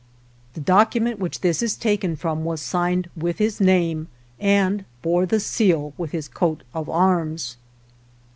The document which this is taken from was signed with his name and bore the seal with his coat of arms.